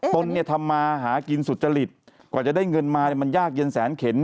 ตนเนี่ยทำมาหากินสุจริตกว่าจะได้เงินมามันยากเย็นแสนเข็น